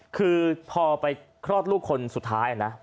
คือพอไปคลอดลูกคนสุดท้ายนะ